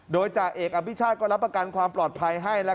โดยจ่าเอกอภิชาติก็รับประกันความปลอดภัยให้